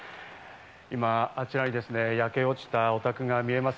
今、あちらに焼け落ちたお宅が見えます。